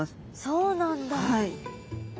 そうなんだ！